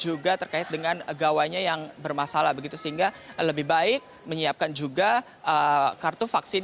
juga terkait dengan gawanya yang bermasalah begitu sehingga lebih baik menyiapkan juga kartu vaksin